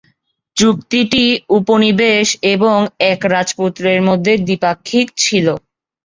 চুক্তিটি উপনিবেশ এবং এক রাজপুত্রের মধ্যে দ্বিপাক্ষিক ছিলো।